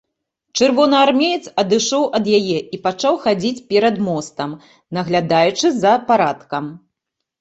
Чырвонаармеец адышоў ад яе і пачаў хадзіць перад мостам, наглядаючы за парадкам.